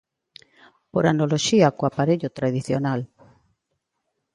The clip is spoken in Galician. Por analoxía co aparello tradicional.